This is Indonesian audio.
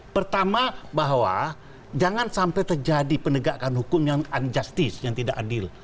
pertama bahwa jangan sampai terjadi penegakan hukum yang unjustice yang tidak adil